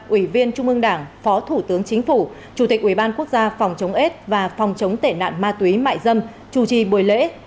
ủy viên trung ương đảng phó thủ tướng chính phủ chủ tịch ubnd tp hà nội và phòng chống tệ nạn ma túy mại dâm chủ trì buổi lễ